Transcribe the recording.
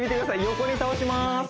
横に倒します